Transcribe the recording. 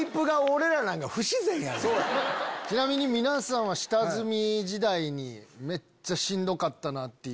ちなみに皆さんは下積み時代にめっちゃしんどかったなって。